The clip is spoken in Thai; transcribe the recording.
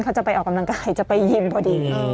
เขาจะไปออกกำลังกายจะไปยิ้มพอดี